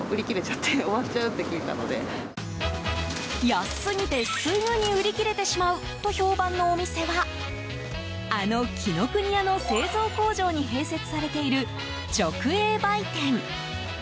安すぎてすぐに売り切れてしまうと評判のお店はあの紀ノ國屋の製造工場に併設されている直営売店。